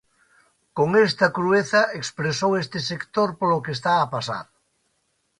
Con esta crueza expresou este sector polo que está a pasar.